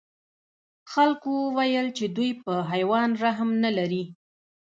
خلکو وویل چې دوی په حیوان رحم نه لري.